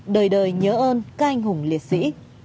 đời đời nhớ ơn ca anh hùng liệt sĩ